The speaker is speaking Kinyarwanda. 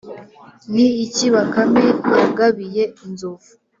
ni iki bakame yagabiye inzovu?